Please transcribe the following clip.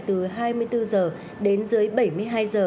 từ hai mươi bốn h đến dưới bảy mươi hai h